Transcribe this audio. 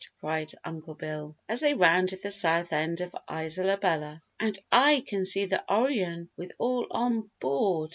cried Uncle Bill, as they rounded the south end of Isola Bella. "And I can see the Orion with all on board!